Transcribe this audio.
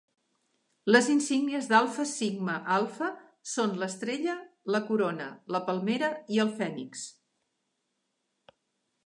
Les insígnies d'Alpha Sigma Alpha són l'estrella, la corona, la palmera i el fènix.